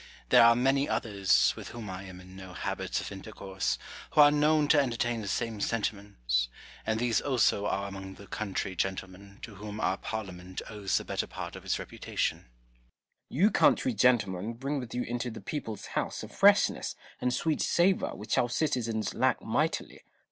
There are many others, with whom I am in no habits of intercourse, who are known to entertain the same sentiments ; and these also aro I S 2 HfA GIN A R Y CONVERSA TIONS. among the country gentlemen, to whom our parliament owes the better part of its reputation. Cromivell. You country gentlemen bring with you into the People's House a freshness and sweet savour which our citizens lack mightily.